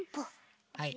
はい。